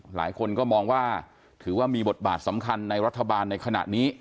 หลายคนก็มองว่าถือว่ามีบทบาทสำคัญในรัฐบาลในขณะนี้